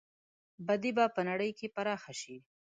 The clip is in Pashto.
بدي به په نړۍ کې پراخه شي.